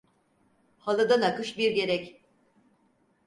Halıda nakış bir gerek.